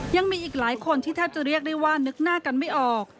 ยังมีอีกหลายคนที่แทบจะเรียกได้ว่านึกหน้ากันไม่ออก